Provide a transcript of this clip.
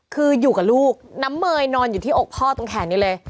คืออยู่กับลูกน้ำเมยนอนอยู่ที่อกพ่อตรงแขนนี้เลย